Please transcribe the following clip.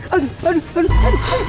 aduh aduh aduh